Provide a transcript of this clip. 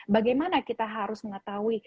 bagaimana kita harus mengetahui